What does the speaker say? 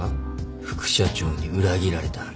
副社長に裏切られた話。